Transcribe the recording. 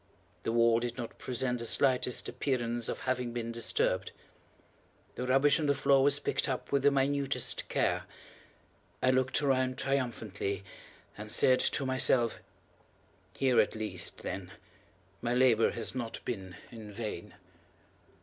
The wall did not present the slightest appearance of having been disturbed. The rubbish on the floor was picked up with the minutest care. I looked around triumphantly, and said to myself: "Here at least, then, my labor has not been in vain."